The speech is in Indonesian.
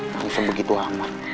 nangisnya begitu amat